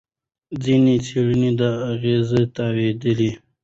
ځینې څېړنې دا اغېز تاییدوي.